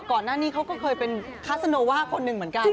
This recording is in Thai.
ก่อนหน้านี้เขาก็เคยเป็นคัสโนว่าคนหนึ่งเหมือนกัน